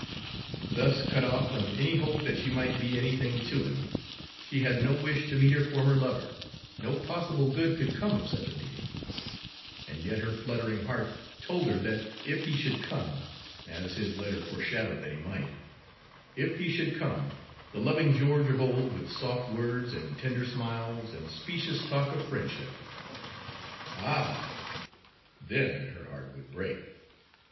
Thus cut off from any hope that she might be anything to him, she had no wish to meet her former lover; no possible good could come of such a meeting; and yet her fluttering heart told her that if he should come, as his letter foreshadowed that he might, if he should come, the loving George of old, with soft words and tender smiles and specious talk of friendship ah! then, her heart would break!